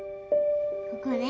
ここね。